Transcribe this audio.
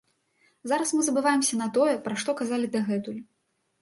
Зараз мы забываемся на тое, пра што казалі дагэтуль.